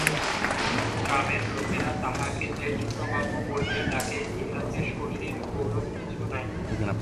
গ্রামের লোকেরা তাহাকে যে ছোটবাবু বলিয়া ডাকে ইহাতে শশীর গৌরব কিছু নাই।